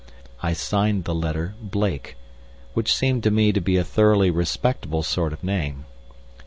I signed the letter "Blake," which seemed to me to be a thoroughly respectable sort of name.